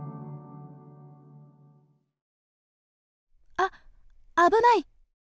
あ危ない！